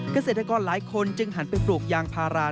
เกษตรกรหลายคนจึงหันไปปลูกยางพารา